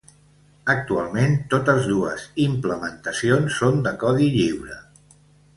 Actualment, totes dues implementacions són de codi lliure.